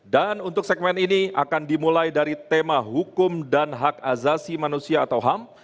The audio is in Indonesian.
dan untuk segmen ini akan dimulai dari tema hukum dan hak azasi manusia atau ham